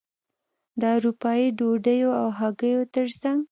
د اروپايي ډوډیو او هګیو ترڅنګ.